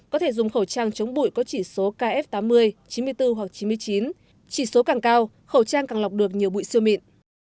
có thể dùng khẩu trang chống bụi có chỉ số kf tám mươi chín mươi bốn hoặc chín mươi chín chỉ số càng cao khẩu trang càng lọc được nhiều bụi siêu mịn